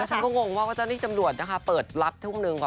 แล้วฉันก็งงว่าเจ้าที่ตำรวจนะคะเปิดรับทุ่มหนึ่ง